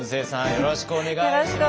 よろしくお願いします。